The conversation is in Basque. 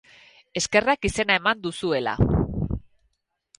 Eskerrak izena eman duzuela.